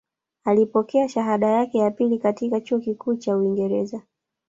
Alipokea shahada yake ya pili katika chuo kikuu nchini Uingereza